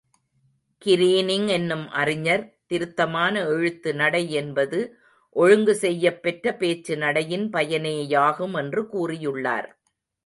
Greening என்னும் அறிஞர், திருத்தமான எழுத்து நடை என்பது, ஒழுங்கு செய்யப்பெற்ற பேச்சு நடையின் பயனேயாகும் என்று கூறியுள்ளார்.